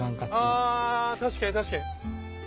あ確かに確かに。